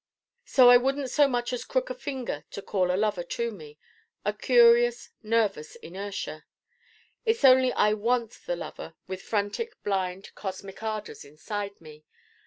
So I wouldn't so much as crook a finger to call a Lover to me: a curious nervous inertia. It's only I want the Lover with frantic blind cosmic ardors inside me.